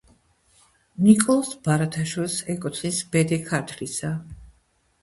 ნიკოლოზ ბარათაშვილს ეკუთვნის "ბედი ქართლისა"